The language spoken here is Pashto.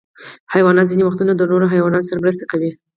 حیوانات ځینې وختونه د نورو حیواناتو سره مرسته کوي.